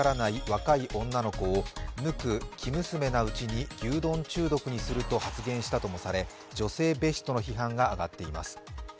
若い女の子を無垢、生娘なうちに牛丼中毒にすると発言したともされ女性蔑視との批判が上がっています。